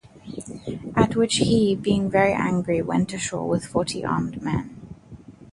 At which he, being very angry, went ashore with forty armed men.